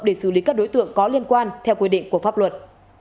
để xử lý các đối tượng có liên quan theo quy định của pháp luật